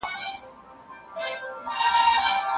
ماتول مي سرابونه هغه نه یم